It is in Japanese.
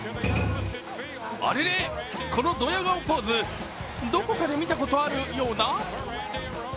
あれれ、このドヤ顔ポーズどこかで見たことあるような？